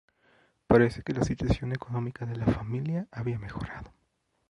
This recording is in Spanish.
Parece que la situación económica de la familia había mejorado.